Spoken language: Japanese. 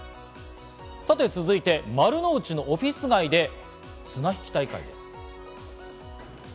続いて、丸の内のオフィス街で綱引き大会です。